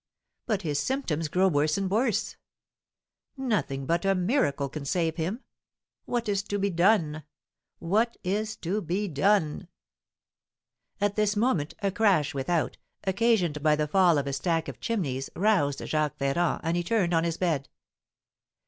But his symptoms grow worse and worse; nothing but a miracle can save him. What is to be done? What is to be done?" At this moment, a crash without, occasioned by the fall of a stack of chimneys, roused Jacques Ferrand, and he turned on his bed.